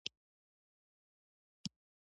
مړه د صبر او دعا غوښتنه کوي